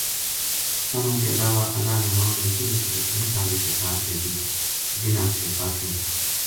انہاں تے علاوہ اللہ نے ہور نکی نکی مساری کتاب بھیجی جنہاں صحیفہ کہیں۔